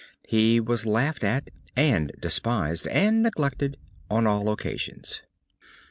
He was laughed at and despised and neglected on all occasions.